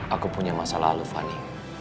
aku punya masa lalu fani